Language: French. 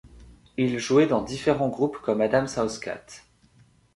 Ils jouaient dans différents groupes comme Adam's House Cat.